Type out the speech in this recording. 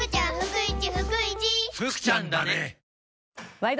「ワイド！